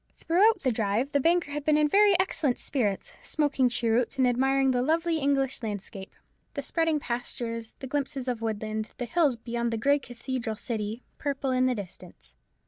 Throughout the drive the banker had been in very excellent spirits, smoking cheroots, and admiring the lovely English landscape, the spreading pastures, the glimpses of woodland, the hills beyond the grey cathedral city, purple in the distance.